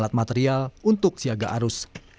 alat material untuk siaga arus